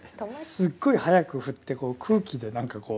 すごい速く振ってこう空気で何かこう。